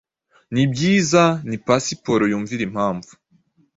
Nibyiza ni pasiporo yumvira impamvu